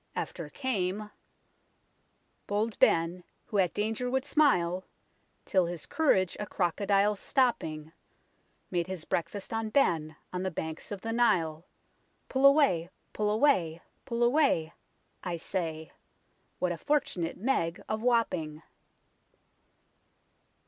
After came "... bold Ben, who at danger would smile, 'Till his courage a crocodile stopping, Made his breakfast on Ben on the banks of the Nile, Pull away, pull away, pull away ; I say; What a fortunate Meg of Wapping."